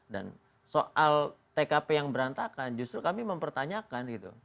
dan soal tkp yang berantakan justru kami mempertanyakan